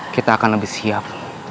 kita akan lebih siap